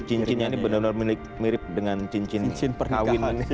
cincinnya ini benar benar mirip dengan cincin perkawinan